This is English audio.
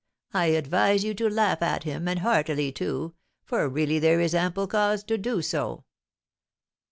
I advise you to laugh at him, and heartily, too, for really there is ample cause to do so.'